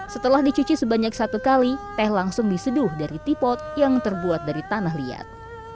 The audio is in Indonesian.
setelah dicuci sebanyak satu kali teh langsung diseduh dari tipot yang terbuat dari tanah liat